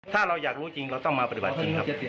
ถ้าเราอยากรู้จริงเราต้องมาปฏิบัติจริงครับ